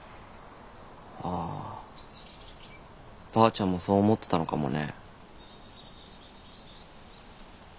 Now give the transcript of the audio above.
ああばあちゃんもそう思ってたのかもね。